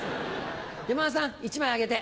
山田さん１枚あげて。